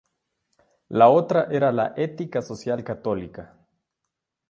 La otra era la Ética social católica.